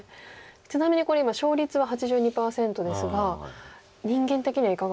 ちなみにこれ今勝率は８２％ですが人間的にはいかがですか？